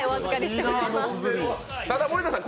ただ森田さん